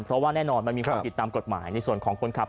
เพราะว่าแน่นอนมันมีความผิดตามกฎหมายในส่วนของคนขับ